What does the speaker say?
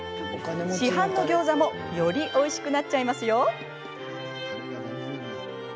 市販のギョーザもよりおいしくなっちゃいますよ。